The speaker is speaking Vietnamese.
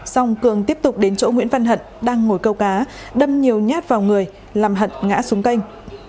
xong cường tiếp tục đến chỗ nguyễn văn hận đang ngồi câu cá đâm nhiều nhát vào người làm hận ngã xuống canh